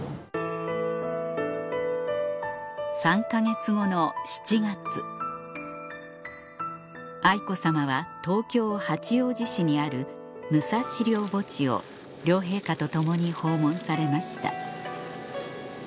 ３か月後の７月愛子さまは東京・八王子市にある武蔵陵墓地を両陛下と共に訪問されました